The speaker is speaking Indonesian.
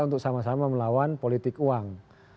untuk sama sama melawan politik uang